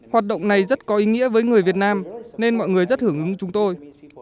hoạt động này rất có ý nghĩa với người việt nam nên mọi người rất hưởng ứng chúng tôi